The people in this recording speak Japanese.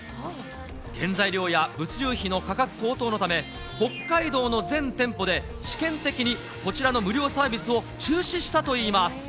原材料や物流費の価格高騰のため、北海道の全店舗で試験的に、こちらの無料サービスを中止したといいます。